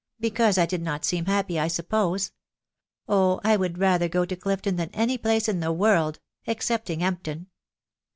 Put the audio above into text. because I did not seem happy, I suppose .... Oh ! I would rather go to Clifton than any place in the world .... excepting Empton."